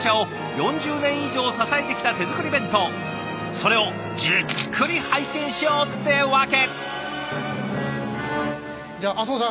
それをじっくり拝見しようってわけ。